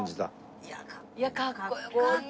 いやかっこよかった。